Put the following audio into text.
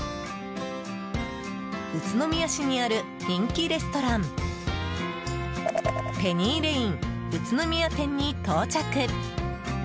宇都宮市にある人気レストランペニーレイン宇都宮店に到着。